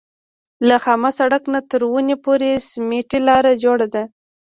له خامه سړک نه تر ونې پورې سمټي لاره جوړه ده.